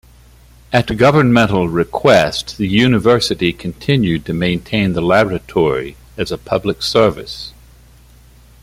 At governmental request, the University continued to maintain the Laboratory as a public service.